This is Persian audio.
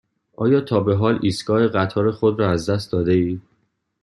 آیا تا به حال ایستگاه قطار خود را از دست داده ای؟